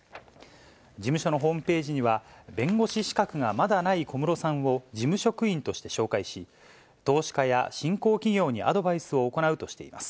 事務所のホームページには、弁護士資格がまだない小室さんを事務職員として紹介し、投資家や新興企業にアドバイスを行うとしています。